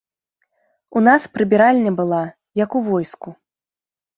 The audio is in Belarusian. У нас прыбіральня была, як у войску.